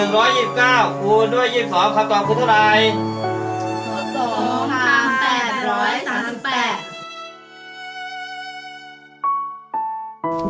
คุณด้วย๒๒คำตอบคูณเท่าไหร่